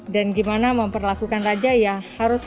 dan gimana memperlakukan raja ya harus raja itu harus puas gitu